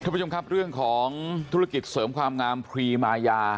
ผู้ชมครับเรื่องของธุรกิจเสริมความงามพรีมายา